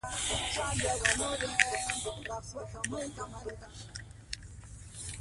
زه له ادبیاتو سره علاقه لرم.